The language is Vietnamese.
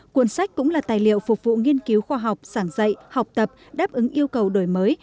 cuốn sách cũng là tài liệu phục vụ nghiên cứu khoa học sảng dạy học tập đáp ứng yêu cầu đổi mới